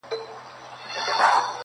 o نې پخپله خوري، نې بل چا ته ورکوي!